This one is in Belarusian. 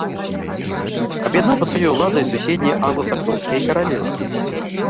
Аб'яднаў пад сваёй уладай суседнія англасаксонскія каралеўствы.